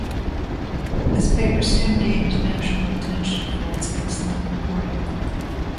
This paper soon gained national attention for its excellent reporting.